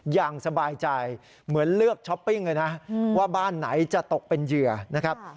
อย่างสบายใจเหมือนเลือกช้อปปิ้งเลยนะว่าบ้านไหนจะตกเป็นเหยื่อนะครับ